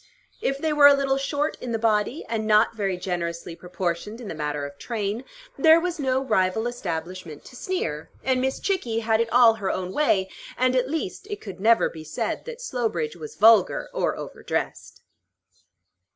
If they were a little short in the body, and not very generously proportioned in the matter of train, there was no rival establishment to sneer, and Miss Chickie had it all her own way; and, at least, it could never be said that Slowbridge was vulgar or overdressed.